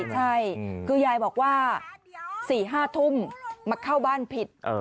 ใช่คือยายบอกว่า๔๕ทุ่มมาเข้าบ้านผิด